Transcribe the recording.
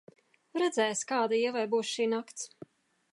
Redzēs, kāda Ievai būs šī nakts.